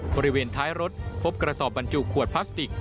บริเวณท้ายรถพบกระสอบบรรจุขวดพลาสติก